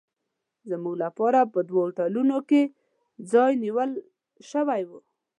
زموږ لپاره په دوو هوټلونو کې ځای نیول شوی و.